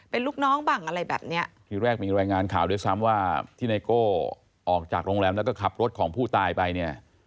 เป็นลูกน้องบ้างอะไรแบบเนี้ยทีแรกมีรายงานข่าวด้วยซ้ำว่าที่ไนโก้ออกจากโรงแรมแล้วก็ขับรถของผู้ตายไปเนี่ย